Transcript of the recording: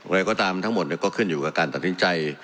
อะไรก็ตามทั้งหมดก็ขึ้นอยู่กับการตัดสินใจ